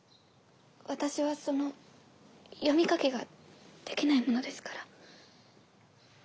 私はその読み書きができないものですから。